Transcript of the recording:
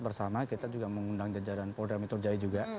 bersama kita juga mengundang jajaran polra metor jaya juga